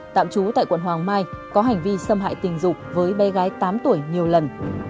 tạm trú tại quận hoàng mai có hành vi xâm hại tình dục với bé gái tám tuổi nhiều lần